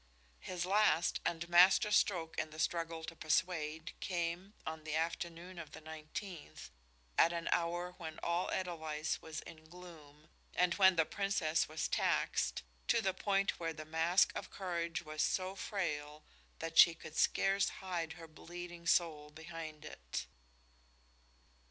His last and master stroke in the struggle to persuade came on the afternoon of the nineteenth, at an hour when all Edelweiss was in gloom and when the Princess was taxed to the point where the mask of courage was so frail that she could scarce hide her bleeding soul behind it.